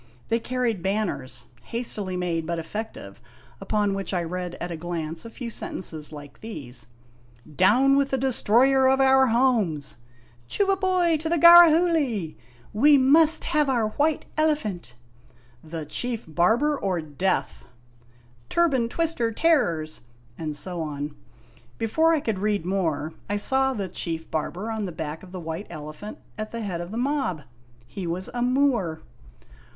They carried banners, hastily made but effective, upon which I read at a glance a few sen tences like these :" Down with the Destroyer of our Homes !"" Chubaiboy to the Garahoogly !'" We must have our White Elephant !"" The Chief Barber or Death !" "Turban Twister Terrors!" and so on. Before I could read more, I saw the Chief Barber on the back of the White Elephant at the head of the mob. He was a Moor.